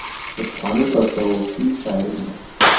له پخوانۍ تصوفي شاعرۍ سره